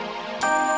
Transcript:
papa mau kan mencarinya